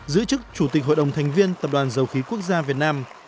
giữ chức chủ tịch hội đồng thành viên tập đoàn dầu khí quốc gia việt nam